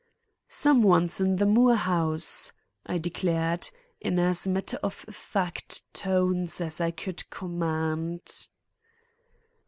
"Some one's in the Moore house!" I declared, in as matter of fact tones as I could command.